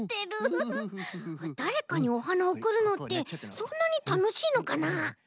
だれかにおはなをおくるのってそんなにたのしいのかな？